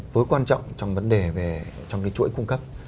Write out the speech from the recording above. tối quan trọng trong vấn đề về trong cái chuỗi cung cấp